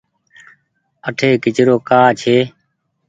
اٺي ڪچرو ڪآ ڇي ۔